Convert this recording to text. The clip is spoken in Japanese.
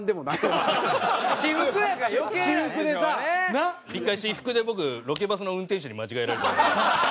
１回私服で僕ロケバスの運転手に間違えられた事あります。